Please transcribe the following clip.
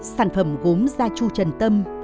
sản phẩm gốm da chu trần tâm